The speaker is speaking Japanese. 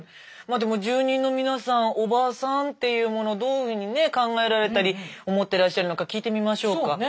まあでも住人の皆さん「おばさん」っていうものをどういうふうにね考えられたり思ってらっしゃるのか聞いてみましょうか。